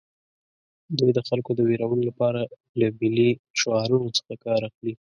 دوی د خلکو د ویرولو لپاره له ملي شعارونو څخه کار اخلي